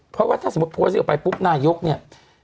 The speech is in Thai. เพราะว่าถ้าสมมุติโพสต์ออกไปปุ๊บนายกเนี่ย